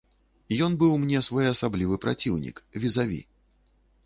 Ён быў мне своеасаблівы праціўнік, візаві.